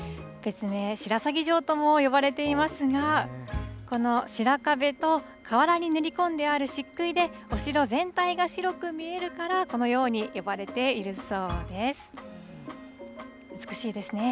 別名、白鷺城とも呼ばれていますが、この白壁と、瓦に塗り込んであるしっくいで、お城全体が白く見えるから、このように呼ばれているそうです。